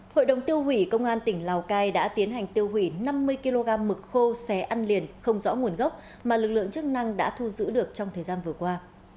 hội đồng tiêu hủy công an tỉnh lào cai đã tiến hành tiêu hủy năm mươi kg mực khô xé ăn liền không rõ nguồn gốc mà lực lượng chức năng đã thu giữ được trong thời gian vừa qua